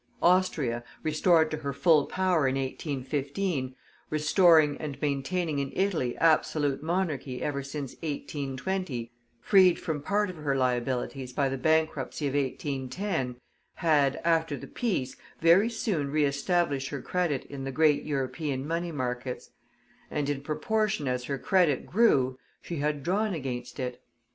Austria, restored to her full power in 1815 restoring and maintaining in Italy Absolute Monarchy ever since 1820, freed from part of her liabilities by the bankruptcy of 1810, had, after the peace, very soon re established her credit in the great European money markets; and in proportion as her credit grew, she had drawn against it.